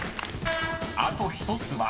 ［あと１つは？］